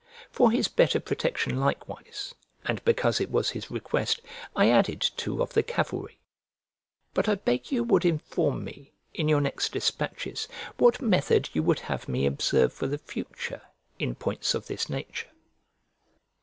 For his better protection likewise, and because it was his request, I added two of the cavalry. But I beg you would inform me, in your next despatches, what method you would have me observe for the future in points of this nature.